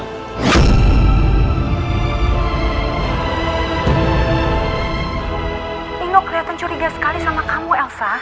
nino keliatan curiga sekali sama kamu elsa